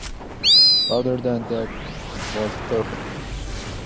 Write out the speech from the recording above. Other than that, it was perfect.